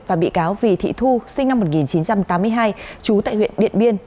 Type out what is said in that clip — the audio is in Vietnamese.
và bị cáo vì thị thu sinh năm một nghìn chín trăm tám mươi hai trú tại huyện điện biên